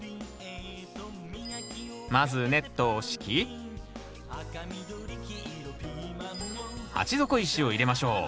まずネットを敷き鉢底石を入れましょう。